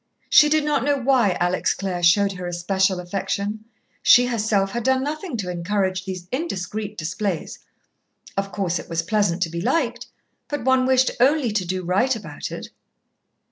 She did not know why Alex Clare showed her especial affection she herself had done nothing to encourage these indiscreet displays. Of course, it was pleasant to be liked, but one wished only to do right about it.